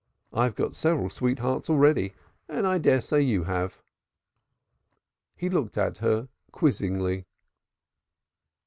I've got several sweethearts already, and I dare say you have." He looked at her quizzingly.